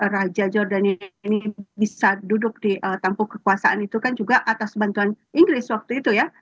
raja jordan ini bisa duduk di tampuk kekuasaan itu kan juga atas bantuan inggris waktu itu ya